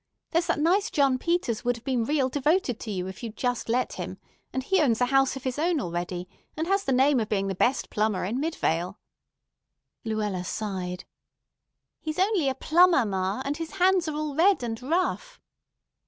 There's that nice John Peters would have been real devoted to you if you'd just let him; and he owns a house of his own already, and has the name of being the best plumber in Midvale." Luella sighed. "He's only a plumber, ma, and his hands are all red and rough."